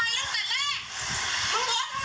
มันใจกูเหรอ